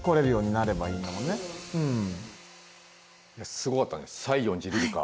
すごかったね西園寺リリカ。